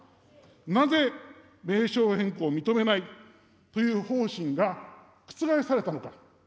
なぜ名称変更を認めないという方針が覆されたのか。